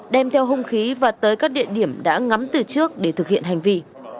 đem theo hung khí và tới các địa điểm đã ngắm từ trước để thực hiện hành vi